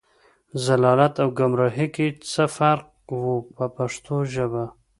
ضلالت او ګمراهۍ کې نه څه فرق و په پښتو ژبه.